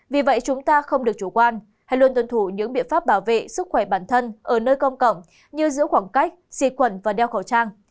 vì vậy chúng ta không được chủ quan hay luôn tuân thủ những biện pháp bảo vệ sức khỏe bản thân ở nơi công cộng như giữ khoảng cách xịt quẩn và đeo khẩu trang